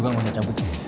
enggak juga gue cabut cit